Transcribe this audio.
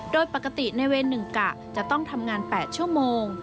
โดยปกติในเวร๑กะจะต้องทำงาน๘ชั่วโมง